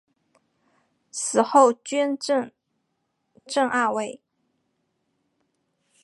死后追赠正二位。